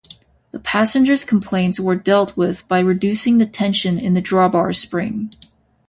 The passengers' complaints were dealt with by reducing the tension in the drawbar spring.